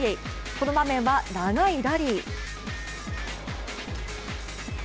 この場面は長いラリー。